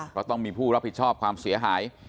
เพราะต้องมีผู้รับผิดชอบความเสียหาย